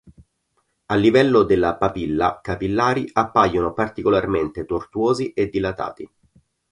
A livello della papilla capillari appaiono particolarmente tortuosi e dilatati.